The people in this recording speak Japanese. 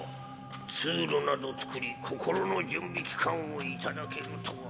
通路など作り心の準備期間を頂けるとは。